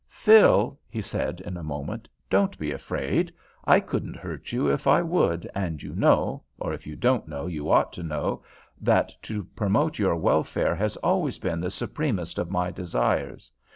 "Phil," he said in a moment, "don't be afraid. I couldn't hurt you if I would, and you know or if you don't know you ought to know that to promote your welfare has always been the supremest of my desires.